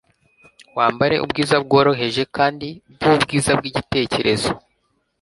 Wambare ubwiza bworoheje kandi bwubwiza bwigitekerezo